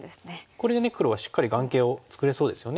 これで黒はしっかり眼形を作れそうですよね。